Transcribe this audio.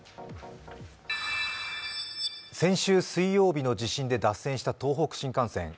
先週水曜日の地震で脱線した東北新幹線。